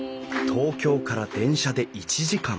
東京から電車で１時間。